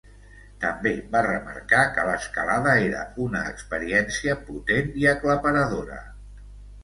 També va remarcar que l'escalada era una experiència potent i aclaparadora.